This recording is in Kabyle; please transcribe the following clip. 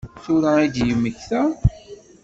Tura i d-yemmekta?